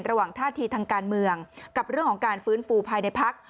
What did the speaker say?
ท่าทีทางการเมืองกับเรื่องของการฟื้นฟูภายในพัก